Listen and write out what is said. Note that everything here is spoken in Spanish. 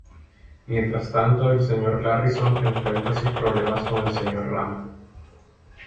Mientras tanto el Señor Garrison enfrenta sus problemas con el Señor Rama.